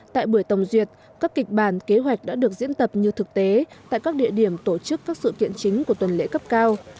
tại buổi tổng duyệt các kịch bản kế hoạch đã được diễn tập như thực tế tại các địa điểm tổ chức các sự kiện chính của tuần lễ cấp cao